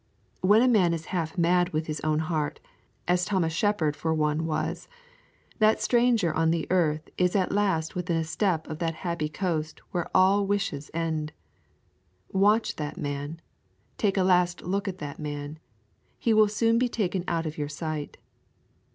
When a man is half mad with his own heart, as Thomas Shepard for one was, that stranger on the earth is at last within a step of that happy coast where all wishes end. Watch that man. Take a last look at that man. He will soon be taken out of your sight.